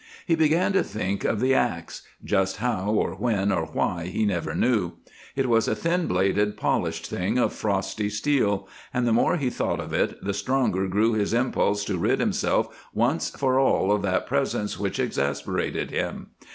He began to think of the ax just how or when or why he never knew. It was a thin bladed, polished thing of frosty steel, and the more he thought of it the stronger grew his impulse to rid himself once for all of that presence which exasperated him.